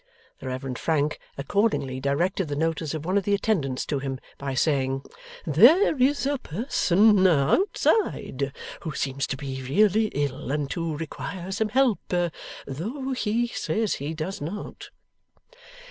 The Reverend Frank accordingly directed the notice of one of the attendants to him, by saying: 'There is a person outside who seems to be really ill, and to require some help, though he says he does not.